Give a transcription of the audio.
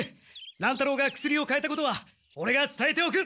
乱太郎が薬を買えたことはオレがつたえておく。